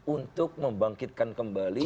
untuk membangkitkan kembali